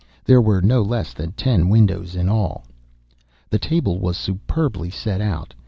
There were no less than ten windows in all. The table was superbly set out.